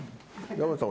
山内さん